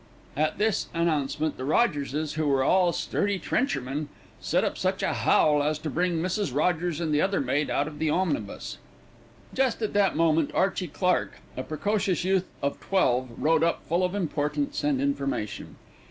At this announcement the Rogerses, who were all sturdy trenchermen, set up such a howl as to bring Mrs. Rogers and the other maid out of the omnibus. Just at that moment Archie Clark, a precocious youth of twelve, rode up full of importance and information.